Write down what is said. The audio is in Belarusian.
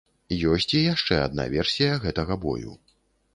Ёсць і яшчэ адна версія гэтага бою.